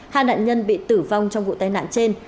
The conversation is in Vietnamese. hai nạn nhân bị tử vong trong vụ tai nạn trên